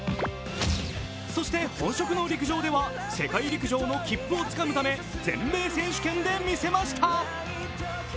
そして、本職の陸上では世界陸上への切符をつかむため全米選手権で見せました。